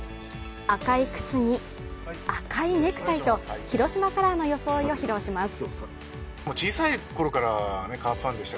赤い靴に、赤いネクタイと広島カラーの装いを披露します。